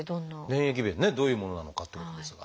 粘液便ってねどういうものなのかってことですが。